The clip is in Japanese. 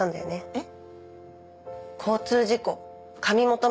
えっ？